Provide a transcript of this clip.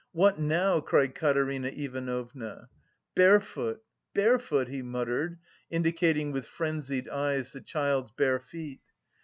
"What now?" cried Katerina Ivanovna. "Barefoot, barefoot!" he muttered, indicating with frenzied eyes the child's bare feet.